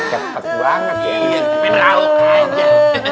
cepet banget ya